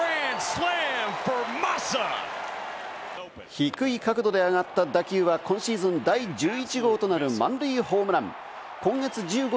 低い角度で上がった打球は今シーズン第１１号となる満塁ホームラン。